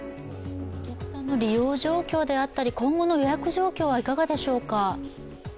お客さんの利用状況であったり今後の予約状況はいかがでしょうか。